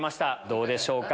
どうでしょうか？